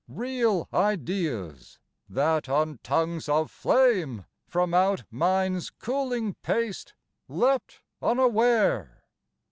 Real ideas, that on tongues of flame From out mind's cooling paste leapt unaware?